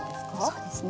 そうですね。